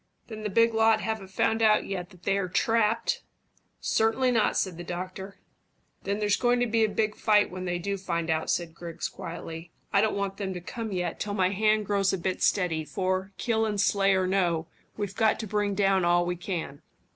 Then the big lot haven't found out yet that they're trapped?" "Certainly not," said the doctor. "Then there's going to be a big fight when they do find it out," said Griggs quietly. "I don't want them to come yet till my hand grows a bit steady, for, kill and slay or no, we've got to bring down all we can."